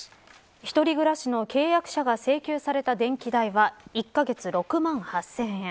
１人暮らしの契約者が請求された電気代は１カ月６万８０００円。